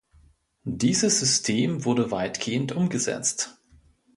Dieses System wurde weitgehend umgesetzt.